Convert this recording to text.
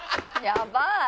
やばい！